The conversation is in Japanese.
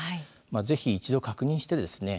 是非一度確認してですね